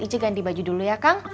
ici ganti baju dulu ya kang